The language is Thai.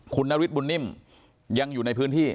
คุณนฤทธบุญนิ่มยังอยู่ในพื้นที่